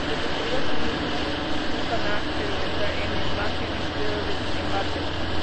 Se construyó asimismo un canal perimetral en el margen izquierdo del embalse.